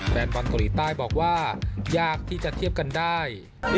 แฟนบอลเกาหลีใต้บอกว่ายากที่จะเทียบกันได้